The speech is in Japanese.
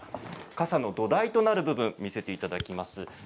傘の土台となる部分を見せていただきます。